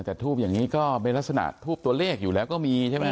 แต่ทูบอย่างนี้ก็เป็นลักษณะทูบตัวเลขอยู่แล้วก็มีใช่ไหม